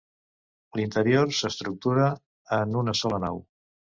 L'interior s'estructura en una sola nau.